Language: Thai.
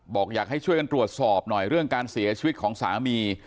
บอกอยากให้ช่วยกันตรวจสอบหน่อยเรื่องการเสียชีวิตของสามี